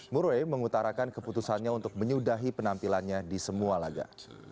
murwei mengutarakan keputusannya untuk menyudahi penampilannya di semua laga